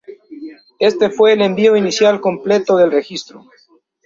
Este fue el envío inicial completo del registro.